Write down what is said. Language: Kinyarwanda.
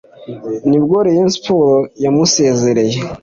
nibwo rayon sports yamusezereye